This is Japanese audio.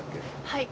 はい。